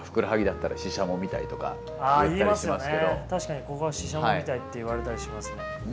確かにここシシャモみたいって言われたりしますね。